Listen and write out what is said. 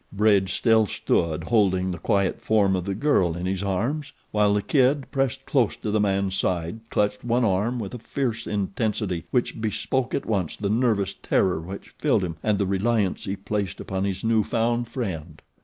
Bridge still stood holding the quiet form of the girl in his arms, while The Kid, pressed close to the man's side, clutched one arm with a fierce intensity which bespoke at once the nervous terror which filled him and the reliance he placed upon his new found friend.